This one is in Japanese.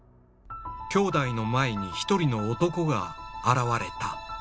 兄弟の前に一人の男が現れた。